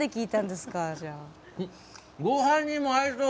ごはんにも合いそう。